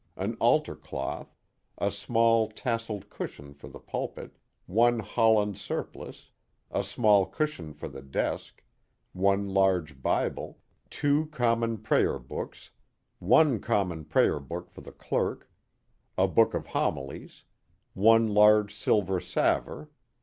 An altar cloth. A small tasselled cushion for the pulpit. One Holland surplice. A small cushion for the desk. One large Bible. 88 The Mohawk Valley Two common prayer books. One common prayer book for the clerk. A book of homilies. One large silver salver.